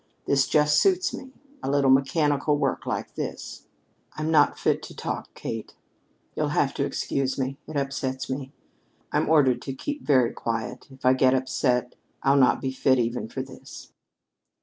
This just suits me a little mechanical work like this. I'm not fit to talk, Kate. You'll have to excuse me. It upsets me. I'm ordered to keep very quiet. If I get upset, I'll not be fit even for this."